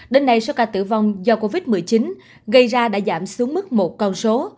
đến nay số ca tử vong do covid một mươi chín gây ra đã giảm xuống mức một con số